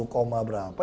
lima puluh koma berapa